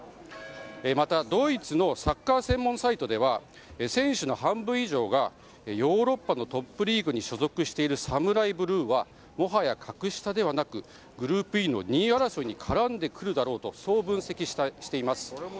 また、ドイツのサッカー専門サイトでは選手の半分以上がヨーロッパのトップリーグに所属しているサムライブルーはもはや格下ではなくグループＥの２位争いに絡んでくるだろうと分析しています。